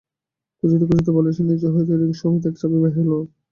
খুঁজিতে খুঁজিতে বালিশের নীচে হইতে রিং সমেত এক চাবি বাহির হইল।